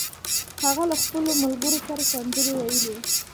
هغه له خپلو ملګرو سره سندرې ویلې